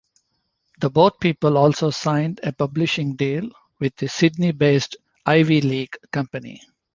The Boat People also signed a publishing deal with the Sydney-based Ivy League company.